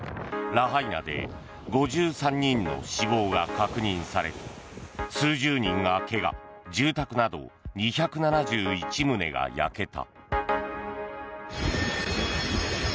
ラハイナで５３人の死亡が確認され数十人が怪我住宅など２７１棟が焼けた。